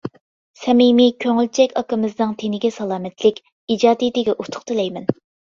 سەمىمىي، كۆڭۈلچەك ئاكىمىزنىڭ تېنىگە سالامەتلىك، ئىجادىيىتىگە ئۇتۇق تىلەيمەن!